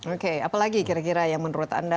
oke apalagi kira kira yang menurut anda